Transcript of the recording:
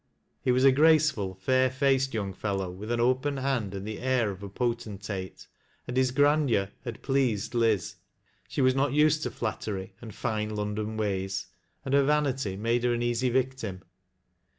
He was a graceful, fair faced young fellow, with an open hand and the air of i potentate, and his grandeur had pleased Liz. She was '.."ot used to flattery and " fine Loudon ways," atd hei canity made her an easy victim.